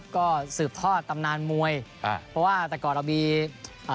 ก็สืบทอดตำนานมวยอ่าเพราะว่าแต่ก่อนเรามีอ่า